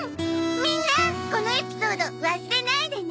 みんなこのエピソード忘れないでね。